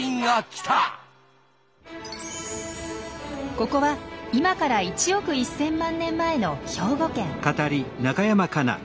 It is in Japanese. ここは今から１億１千万年前の兵庫県。